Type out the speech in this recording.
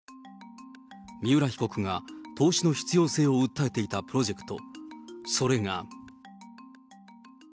三浦被告が投資の必要性を訴えていたプロジェクト、それが。